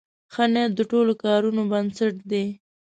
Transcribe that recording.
ښه نیت د ټولو کارونو بنسټ دی.